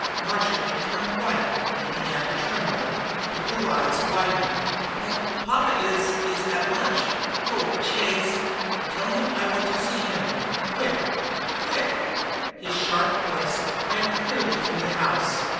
Marjory turned white and began to tremble. The blue eyes widened. "P papa is is at lunch. Oh Chase!" "Tell him I want to see him quick quick!" His sharp voice rang clearly through the house.